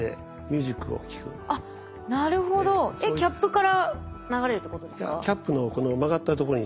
キャップから流れるってことですか？